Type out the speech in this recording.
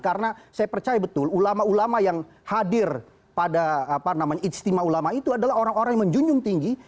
karena saya percaya betul ulama ulama yang hadir pada istimewa ulama itu adalah orang orang yang menjunjung tinggi